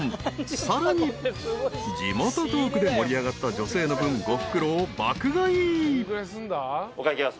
［さらに地元トークで盛り上がった女性の分５袋を爆買い］